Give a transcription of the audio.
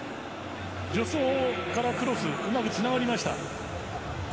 助走からクロスうまくつながりました。